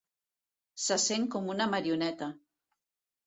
Se sent com una marioneta.